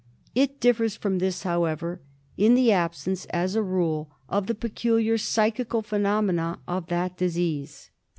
It differs from this, however, in the absence, as a, rule, of the peculiar psychical phenomena of that disease.